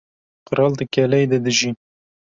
Qral di keleyê de dijî.